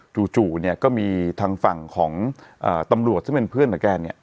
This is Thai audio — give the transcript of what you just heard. จู่เนี่ยก็มีทางฝั่งของตำรวจซึ่งเป็นเพื่อนกับแกเนี่ย